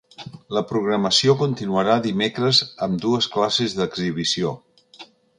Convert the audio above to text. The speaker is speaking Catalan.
La programació continuarà dimecres amb dues classes d’exhibició.